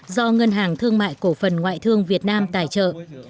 do ngân hàng thương mại cổ phần ngoại thương việt nam tài trợ